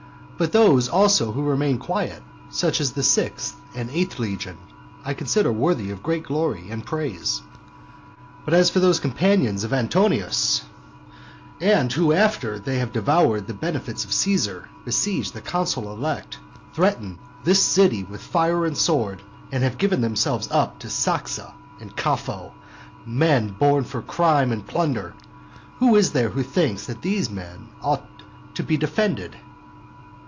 But those also who remain quiet, such as the sixth and eighth legion, I consider worthy of great glory and praise. But as for those companions of Antonius, who after they have devoured the benefits of Caesar, besiege the consul elect, threaten this city with fire and sword, and have given themselves up to Saxa and Capho, men born for crime and plunder, who is there who thinks that those men ought to be defended?